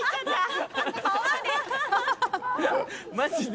マジで。